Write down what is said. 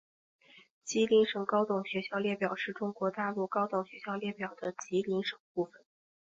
吉林省高等学校列表是中国大陆高等学校列表的吉林省部分。